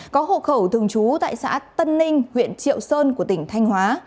có hộ khẩu thường trú tại xã tân ninh huyện triệu sơn của tỉnh thanh hóa